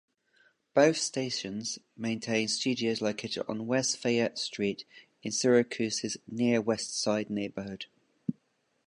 Both stations maintain studios located on West Fayette Street in Syracuse's Near Westside neighborhood.